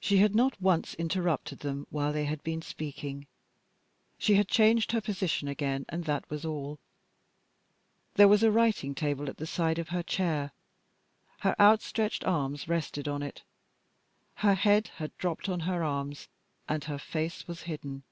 She had not once interrupted them while they had been speaking: she had changed her position again, and that was all. There was a writing table at the side of her chair; her outstretched arms rested on it. Her head had dropped on her arms, and her face was hidden.